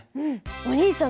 お兄ちゃん